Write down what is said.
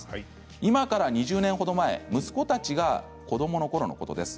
今から２０年ほど前、息子たちが子どものころのことです。